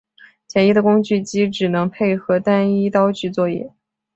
简易的工具机只能配合单一刀具作业。